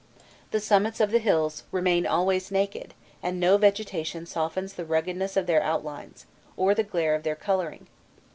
The summits of the hills remain always naked, and no vegetation softens the ruggedness of their outlines, or the glare of their colouring.